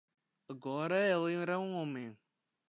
Agora ele era um homem